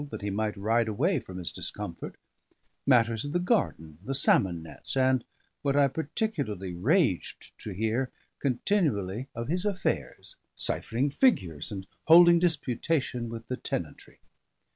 that he might ride away from his discomfort matters of the garden, the salmon nets, and (what I particularly raged to hear) continually of his affairs, ciphering figures and holding disputation with the tenantry.